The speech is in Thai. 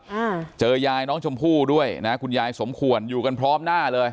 อ่าเจอยายน้องชมพู่ด้วยนะคุณยายสมควรอยู่กันพร้อมหน้าเลย